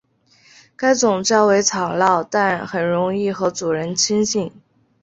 该种较为吵闹但很容易和主人亲近。